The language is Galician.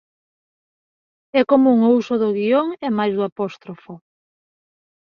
É común o uso do guión e mais do apóstrofo.